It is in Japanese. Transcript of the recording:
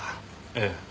ええ。